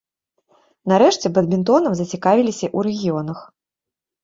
Нарэшце, бадмінтонам зацікавіліся ў рэгіёнах.